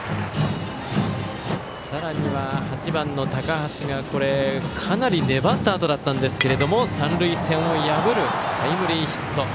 さらには、８番の高橋がかなり粘ったあとだったんですが三塁線を破るタイムリーヒット。